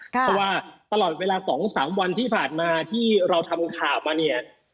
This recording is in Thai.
เพราะว่าตลอดเวลา๒๓วันที่ผ่านมาที่เราทำข่าวมาเนี่ย